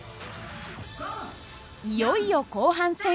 いよいよ後半戦。